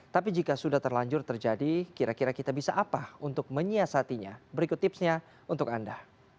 tapi jika sudah terlanjur terjadi kira kira kita bisa apa untuk menyiasatinya berikut tipsnya untuk anda